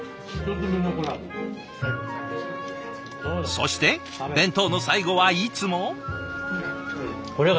そして弁当の最後はいつも。